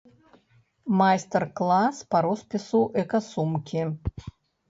Майстар-клас па роспісу эка-сумкі.